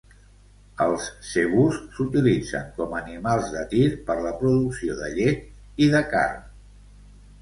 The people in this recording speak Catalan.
Els zebús s'utilitzen com animals de tir, per la producció de llet i de carn.